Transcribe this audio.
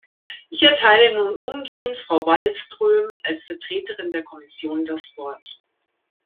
Ich erteile nun umgehend Frau Wallström als Vertreterin der Kommission das Wort.